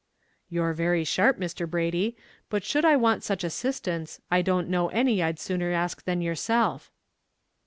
"You're very sharp, Mr. Brady; but should I want such assistance, I don't know any I'd sooner ask than yourself."